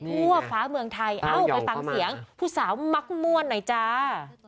ทั่วฟ้าเมืองไทยเอ้าไปฟังเสียงผู้สาวมักม่วนหน่อยจ้า